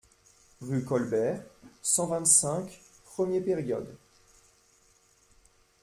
Rue Colbert, cent vingt-cinq premier période.